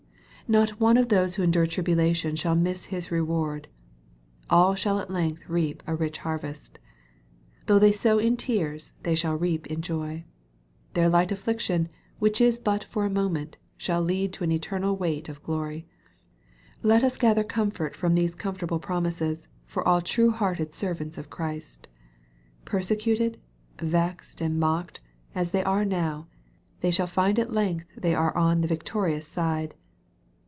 Not one of those who endure tribulation shall miss his reward. All shall at length reap a rich harvest. Though they BOW in tears, they shall reap in joy. Their light afflic tion, which is but for a moment, shall lead to an eternal weight of glory. Let us gather comfort from these comfortable promises for all true hearted servants of Christ. Persecuted, vexed, and mocked, as they are now, they shall find at length they are on the victorious side.